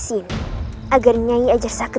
melepaskan orang yang sudah aku tangkap